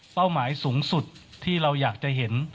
หมายสูงสุดที่เราอยากจะเห็น